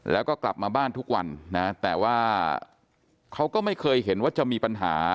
แล้วก็กลับมาบ้านทุกวันนะแต่ว่าเขาก็ไม่เคยเห็นว่าจะมีปัญหา